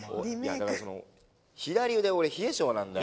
だから左腕俺冷え性なんだよ。